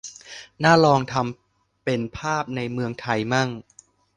น่าลองทำเป็นภาพในเมืองไทยมั่ง